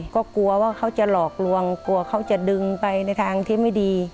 ก็กลัวว่าเขาจะหลอกลวงกลัวเขาจะดึงไปในทางที่ไม่ดี